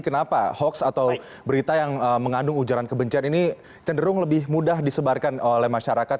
kenapa hoax atau berita yang mengandung ujaran kebencian ini cenderung lebih mudah disebarkan oleh masyarakat